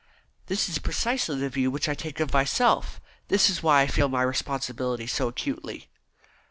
"That is precisely the view which I take of myself. That is why I feel my responsibility so acutely."